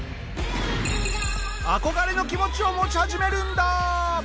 憧れの気持ちを持ち始めるんだ！